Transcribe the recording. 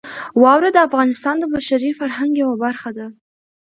واوره د افغانستان د بشري فرهنګ یوه برخه ده.